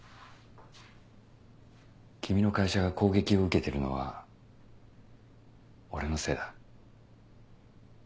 君の会社が攻撃を受けてるのは俺のせいだ。